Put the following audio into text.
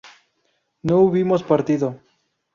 ¿no hubimos partido?